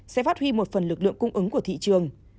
sẽ phát huy một phần lực lượng cung ứng của thị trường